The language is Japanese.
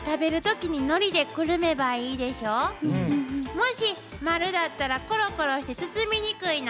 もし丸だったらコロコロして包みにくいの。